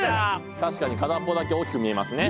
確かに片っぽだけ大きく見えますね。